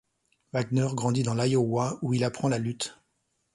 Wagner grandit dans l'Iowa où il apprend la lutte.